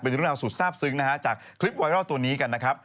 เป็นเรื่องราวสุดทราบซึ้งนะฮะจากคลิปไวรัลตัวนี้กันนะครับ